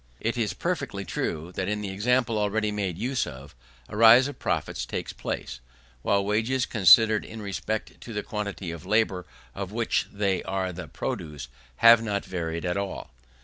It is perfectly true, that, in the example already made use of, a rise of profits takes place, while wages, considered in respect to the quantity of labour of which they are the produce, have not varied at all.